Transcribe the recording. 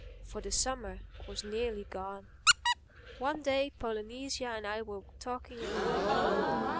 For the summer was nearly gone. One day Polynesia and I were talking in the library.